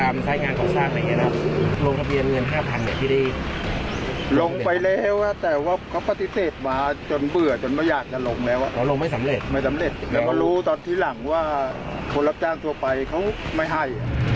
ไม่สำเร็จไม่สำเร็จแล้วก็รู้ตอนที่หลังว่าคนรับจ้างตัวไปเขาไม่ให้